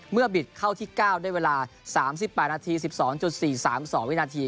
บิดเข้าที่๙ด้วยเวลา๓๘นาที๑๒๔๓๒วินาที